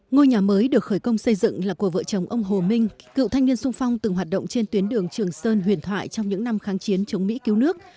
ngôi nhà mới được khởi công xây dựng là của vợ chồng ông hồ minh cựu thanh niên sung phong từng hoạt động trên tuyến đường trường sơn huyền thoại trong những năm kháng chiến chống mỹ cứu nước